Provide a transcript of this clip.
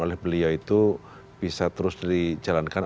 oleh beliau itu bisa terus dijalankan